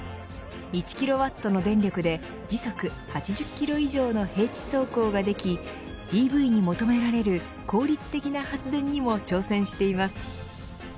１キロワットの電力で時速８０キロ以上の平地走行ができＥＶに求められる効率的な発電にも挑戦しています。